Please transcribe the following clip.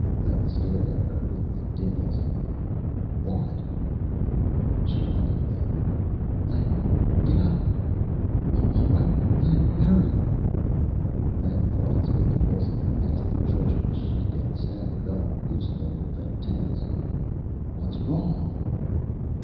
Len stared at her in the dimness. "What ?" She grunted again. "Len, get up. All right. Len, hurry!" Len fought his way convulsively past a treacherous sheet and staggered up, goose pimpled and tense. "What's wrong?"